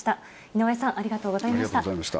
井上さん、ありがとうございました。